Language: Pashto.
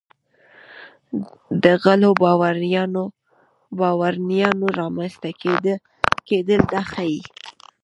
د غلو بارونیانو رامنځته کېدل دا ښيي.